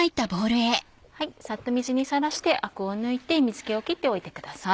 さっと水にさらしてアクを抜いて水気を切っておいてください。